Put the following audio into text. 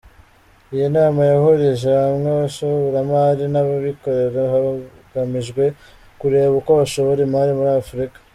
Iyi nama yahurije hamwe abashoramari n’ababikorera hagamijwe kureba uko bashora imari muri Afurika.